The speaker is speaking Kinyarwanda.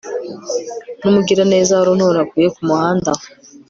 numugiraneza waruntoraguye kumuhanda aho